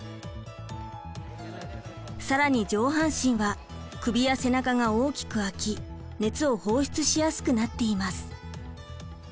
更に上半身は首や背中が大きくあき熱を放出しやすくなっています。